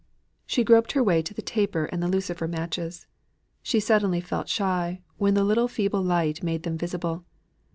She groped her way to the taper and the lucifer matches. She suddenly felt shy when the little feeble light made them visible.